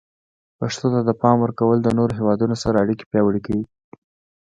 پښتو ته د پام ورکول د نورو هیوادونو سره اړیکې پیاوړي کوي.